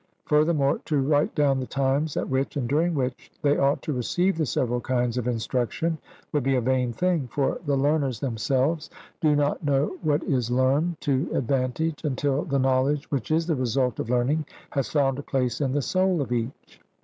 Furthermore, to write down the times at which, and during which, they ought to receive the several kinds of instruction, would be a vain thing; for the learners themselves do not know what is learned to advantage until the knowledge which is the result of learning has found a place in the soul of each.